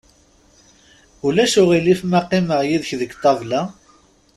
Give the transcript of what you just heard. Ulac aɣilif ma qqimeɣ yid-k deg ṭabla?